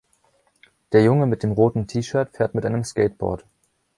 Der Junge mit dem roten T-Shirt fährt mit einem Skateboard